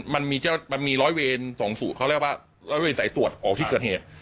มันมีร้อยเวรสองสูตรเขาเรียกว่าร้อยเวรสายตรวจออกที่เกิดเหตุ